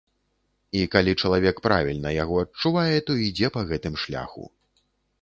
І калі чалавек правільна яго адчувае, то ідзе па гэтым шляху.